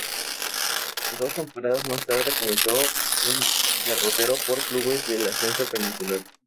Dos temporadas más tarde comenzó un derrotero por clubes del ascenso peninsular.